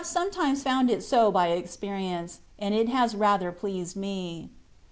sometimes found it so by experience^ and it has rather pleased me.